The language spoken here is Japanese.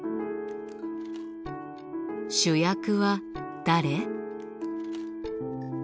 主役は誰？